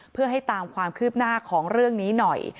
เพื่อให้ตามความคืบหน้าของเรื่องนี้หน่อย